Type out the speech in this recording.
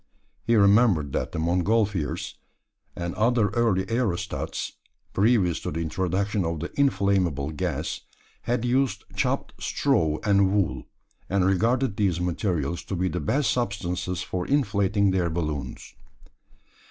He remembered that the Montgolfiers, and other early aerostats previous to the introduction of the inflammable gas had used chopped straw and wool, and regarded these materials to be the best substances for inflating their balloons.